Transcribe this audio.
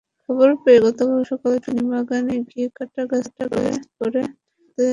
খবর পেয়ে গতকাল সকালে তিনি বাগানে গিয়ে কাটা গাছ পড়ে থাকতে দেখেন।